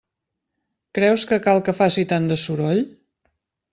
Creus que cal que faci tant de soroll?